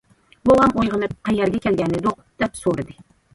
بوۋام ئويغىنىپ:- قەيەرگە كەلگەنىدۇق؟- دەپ سورىدى.